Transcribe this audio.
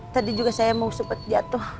tadi juga saya mau sempat jatuh